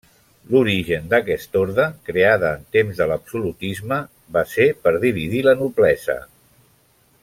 L'origen d'aquest orde, creada en temps de l'absolutisme, va ser per dividir la noblesa.